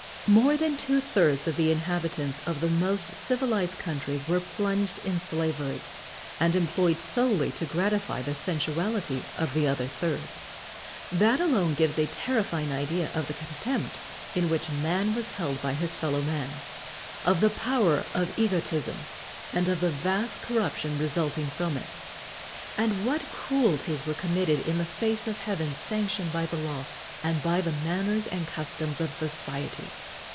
More than two thirds of the inhabitants of the most civilised countries were plunged in slavery, and employed solely to gratify the sensuality of the other third. That alone gives a terrifying idea of the contempt in which man was held by his fellow man, of the power of egotism, and of the vast corruption resulting from it. And what cruelties were committed in the face of heaven, sanctioned by the law, and by the manners and customs of society!